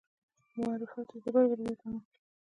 معرفت اعتبار وړ وګڼو.